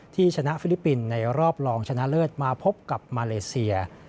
ที่ชนะฟิลิปปินส์ในรอบรองชนะเลิศมาพบกับมาเลเซีย